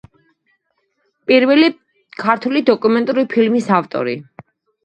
პირველი ქართული დოკუმენტური ფილმის ავტორი.